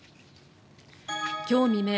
今日未明